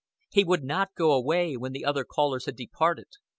He would not go away, when the other callers had departed.